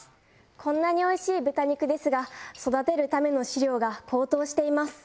こんなにおいしい豚肉ですが育てるための飼料が高騰しています。